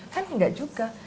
kan enggak juga